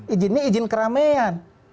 izinnya izin keramaian